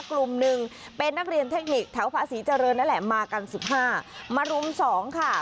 กลุ่มหนึ่งเป็นนักเรียนเทคนิคแถวภาษีเจริญนั่นแหละมากันสิบห้ามารุมสองค่ะ